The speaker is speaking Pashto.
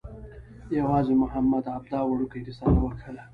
یوازې محمد عبده وړکۍ رساله وکښله.